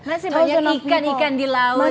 masih banyak ikan ikan di laut